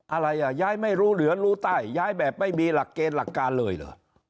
อะไรอ่ะย้ายไม่รู้เหลือรู้ใต้ย้ายแบบไม่มีหลักเกณฑ์หลักการเลยเหรอ